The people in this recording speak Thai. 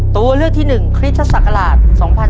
ตัวเลือกที่๑คริสตศักราช๒๕๕๙